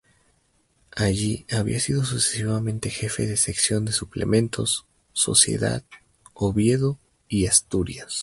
Allí había sido sucesivamente jefe de sección de Suplementos, Sociedad, Oviedo y Asturias.